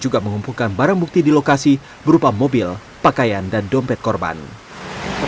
usai divisum jasad korban langsung dibawa ke rumah kremasi dibantu tulis kota bogor